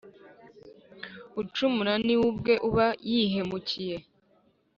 ucumura, ni we ubwe uba yihemukiye.